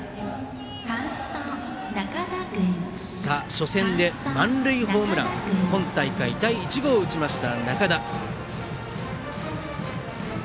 初戦で満塁ホームラン今大会、第１号を打ちました仲田。